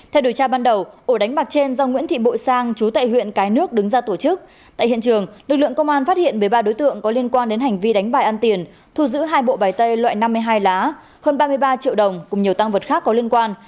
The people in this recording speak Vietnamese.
theo điều tra ban đầu ổ đánh bạc trên do nguyễn thị bội sang chú tại huyện cái nước đứng ra tổ chức tại hiện trường lực lượng công an phát hiện một mươi ba đối tượng có liên quan đến hành vi đánh bài ăn tiền thu giữ hai bộ bài tay loại năm mươi hai lá hơn ba mươi ba triệu đồng cùng nhiều tăng vật khác có liên quan